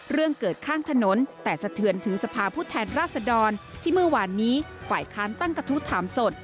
เรื่องเกิดข้างถนนแต่สะเทือนถึงสภาพผู้แทนราชดรที่เมื่อวานนี้ฝ่ายค้านตั้งกระทู้ถามสด